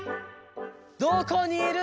どこにいるの？